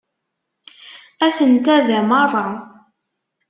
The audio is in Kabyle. Atent-a da merra.